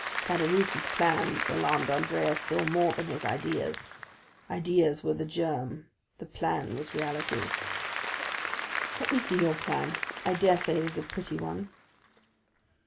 Caderousse's plans alarmed Andrea still more than his ideas; ideas were but the germ, the plan was reality. "Let me see your plan; I dare say it is a pretty one."